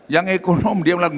yang ekonom dia bilang